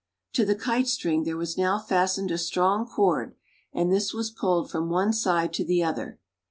To the kite string there was now fastened a strong cord, and this was pulled from one side to the other.